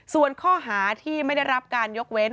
ส่วนข้อหาที่ไม่ได้รับการยกเว้น